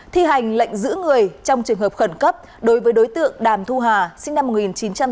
thi hành lệnh giữ người trong trường hợp khẩn cấp đối với đối tượng đàm thu hà sinh năm một nghìn chín trăm tám mươi